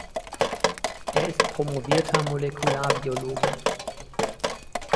Er ist promovierter Molekularbiologe.